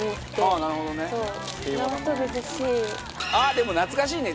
でも懐かしいね！